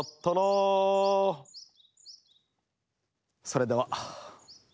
それでは。